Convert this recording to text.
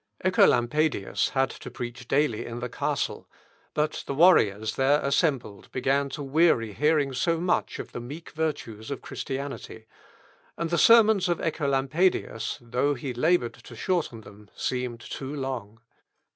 Œcolampadius had to preach daily in the castle, but the warriors there assembled began to weary hearing so much of the meek virtues of Christianity, and the sermons of Œcolampadius, though he laboured to shorten them, seemed too long.